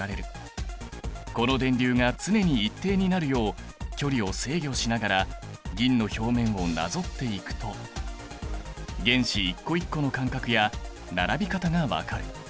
この電流が常に一定になるよう距離を制御しながら銀の表面をなぞっていくと原子一個一個の間隔や並び方が分かる。